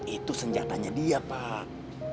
itu senjatanya dia pak